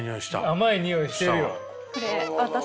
甘い匂いしてるよ。